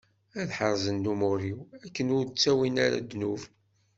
Ad ḥerzen lumuṛ-iw, akken ur ttawin ara ddnub.